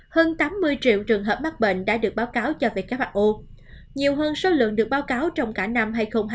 hơn tám mươi triệu trường hợp mắc bệnh đã được báo cáo cho who nhiều hơn số lượng được báo cáo trong cả năm hai nghìn hai mươi